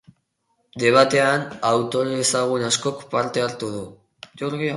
Debatean autore ezagun askok parte hartu du.